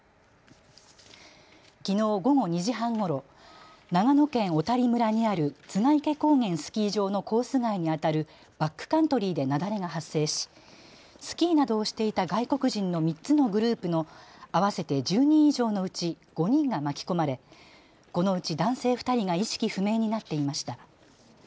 きのう午後２時半ごろ長野県小谷村にある栂池高原スキー場のコース外にあたるバックカントリーで雪崩が発生しスキーなどをしていた外国人の３つのグループの合わせて１０人以上のうち５人が巻き込まれこのうち男性２人が意識不明になっていました。